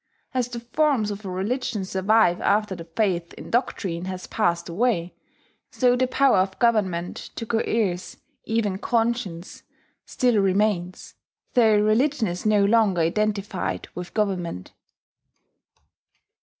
As the forms of a religion survive after the faith in doctrine has passed away, so the power of Government to coerce even conscience still remains, though religion is no longer identified with Government.